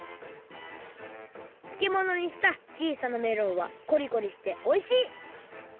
つけものにした小さなメロンはコリコリしておいしい！